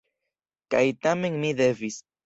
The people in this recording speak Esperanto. Kaj tamen mi devis.